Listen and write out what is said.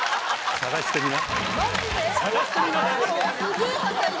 探してみな！